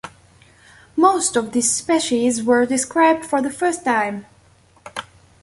Most of these species were described for the first time.